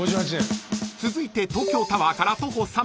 ［続いて東京タワーから徒歩３分］